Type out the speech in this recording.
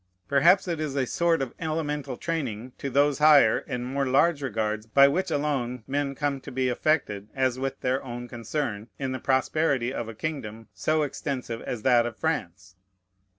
Perhaps it is a sort of elemental training to those higher and more large regards by which alone men come to be affected, as with their own concern, in the prosperity of a kingdom so extensive as that of France.